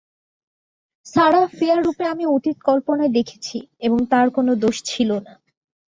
Sarah ফিয়ার রুপে আমি অতীত কল্পনায় দেখেছি, এবং তার কোন দোষ ছিল না।